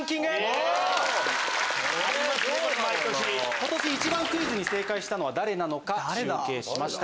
今年一番クイズに正解したのは誰なのか集計しました。